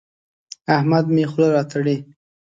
احمد مې خوله راتړي.